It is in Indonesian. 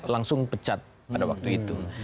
langsung pecat pada waktu itu